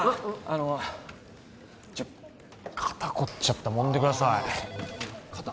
あの肩凝っちゃったもんでください